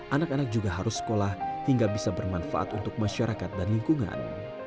anak anak juga harus sekolah hingga bisa bermanfaat untuk masyarakat dan lingkungan